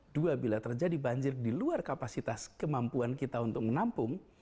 dua bila terjadi banjir di luar kapasitas kemampuan kita untuk menampung